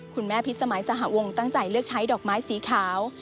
พิษสมัยสหวงตั้งใจเลือกใช้ดอกไม้สีขาว